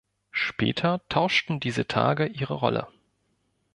Später tauschten diese Tage ihre Rolle.